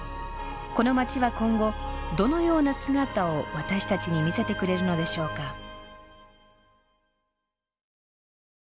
この街は今後どのような姿を私たちに見せてくれるのでしょうか？